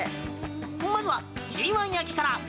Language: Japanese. まずはＧ１焼きから。